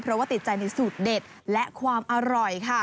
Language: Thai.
เพราะว่าติดใจในสูตรเด็ดและความอร่อยค่ะ